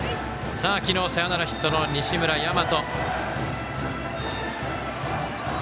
昨日、サヨナラヒットの西村大和。